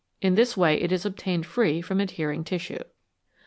In this way it is obtained free from adhering tissue.